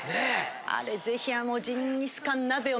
あれぜひ。